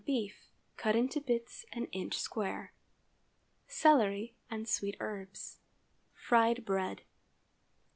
beef, cut into bits an inch square. Celery and sweet herbs. Fried bread.